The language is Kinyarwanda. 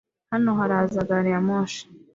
Hano haraza gari ya moshi!